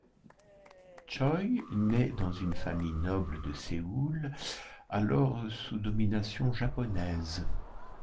Choi nait dans une famille noble de Séoul alors sous domination japonaise.